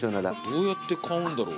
どうやって買うんだろう。